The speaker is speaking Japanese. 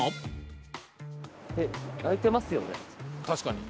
確かに。